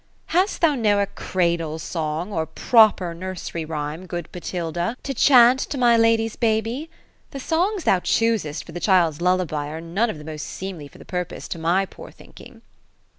^[ Hast thou ne'er a cradle song, or proper nursery rhyme, good Botilda, to ohant THE ROSE OP ELSfNORB. 189 to my lady's baby? The songs thoii choosest for tlie child's lullab}'. are none of the most seemly for the purpose, to my poor thinking."